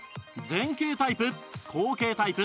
前傾タイプ。